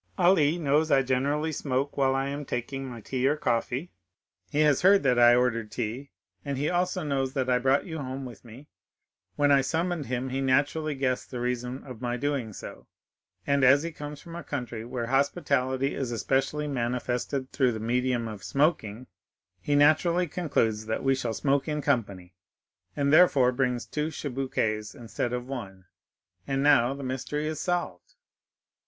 "Ali knows I generally smoke while I am taking my tea or coffee; he has heard that I ordered tea, and he also knows that I brought you home with me; when I summoned him he naturally guessed the reason of my doing so, and as he comes from a country where hospitality is especially manifested through the medium of smoking, he naturally concludes that we shall smoke in company, and therefore brings two chibouques instead of one—and now the mystery is solved."